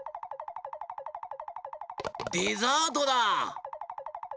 デザートだ！